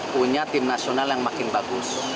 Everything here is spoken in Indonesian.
punya timnasional yang makin bagus